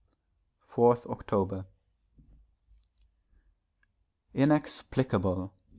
4th October. Inexplicable!